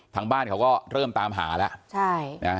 ทางบ้านเขาก็เริ่มตามหาแล้ว